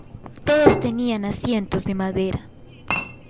Todos tenían asientos de madera.